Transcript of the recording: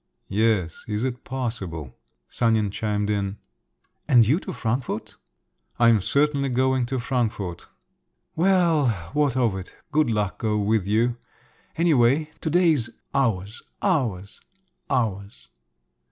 "Yes … is it possible?" Sanin chimed in. "And you to Frankfort?" "I am certainly going to Frankfort." "Well, what of it? Good luck go with you! Anyway, to day's ours … ours … ours!"